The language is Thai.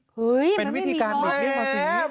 เฮ้ยมันไม่มีหรอกเป็นวิธีการบอกเรียกภาษี